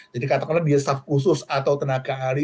jadi katakanlah dia staff khusus atau tenaga ahli